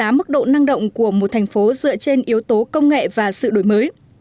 mức độ năng động của một thành phố dựa trên yếu tố công nghệ và sự đổi mới